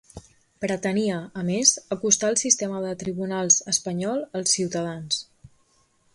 Pretenia, a més, acostar el sistema de tribunals espanyol als ciutadans.